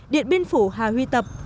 điện biên phủ hà huy tập